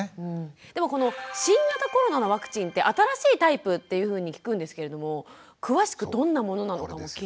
でもこの新型コロナのワクチンって新しいタイプっていうふうに聞くんですけれども詳しくどんなものなのかも聞いていいですか？